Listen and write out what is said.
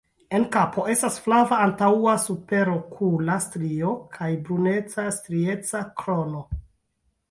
En kapo estas flava antaŭa superokula strio kaj bruneca strieca krono.